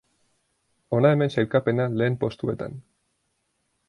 Hona hemen sailkapena lehen postuetan.